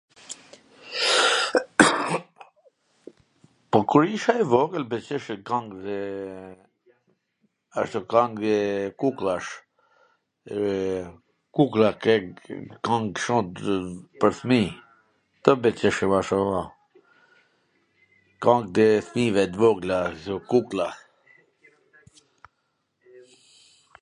Po, kur isha i vogwl m pwlqejshin kang dhe ashtu kang dhe kukllash, kuklla kang kshu pwr fmij, kto m pwlqejshin ma shum kang e fmijve t vogla ashtu, kuklla,